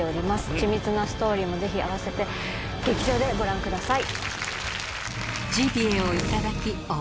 緻密なストーリーもぜひ併せて劇場でご覧ください。